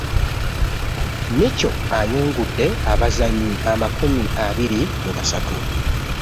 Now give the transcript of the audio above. Micho ayungudde abazanyi makumi abiri mu basatu